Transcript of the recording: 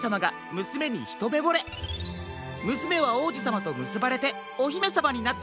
むすめはおうじさまとむすばれておひめさまになったそうです。